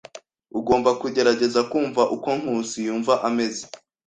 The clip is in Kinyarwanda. Ugomba kugerageza kumva uko Nkusi yumva ameze.